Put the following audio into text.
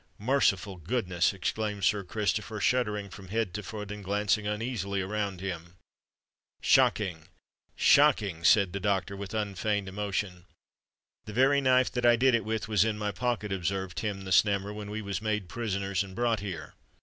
"Merciful goodness!" exclaimed Sir Christopher, shuddering from head to foot, and glancing uneasily around him. "Shocking! shocking!" said the doctor, with unfeigned emotion. "The very knife that I did it with was in my pocket," observed Tim the Snammer, "when we was made prisoners and brought here."